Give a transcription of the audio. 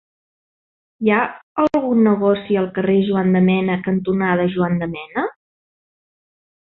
Hi ha algun negoci al carrer Juan de Mena cantonada Juan de Mena?